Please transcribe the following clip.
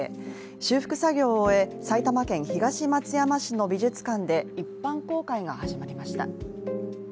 修復作業を終え、埼玉県東松山市の美術館で一般公開が始まりました。